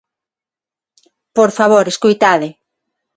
Por favor, escoitade.